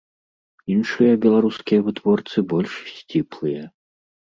Іншыя беларускія вытворцы больш сціплыя.